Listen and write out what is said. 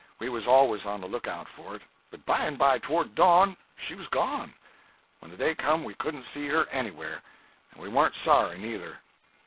We was always on the look out for it. But by and by, towards dawn, she was gone. When the day come we couldn't see her anywhere, and we warn't sorry, neither.